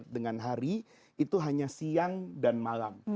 dengan hari itu hanya siang dan malam